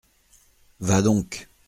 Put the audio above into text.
Va donc !